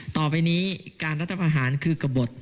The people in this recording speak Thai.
ต่อไปนี้การรัฐประหารคือกระบด